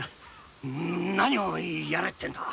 何をやれってんだ？